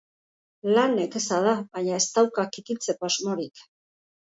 Lan nekeza da, baina ez dauka kikiltzeko asmorik.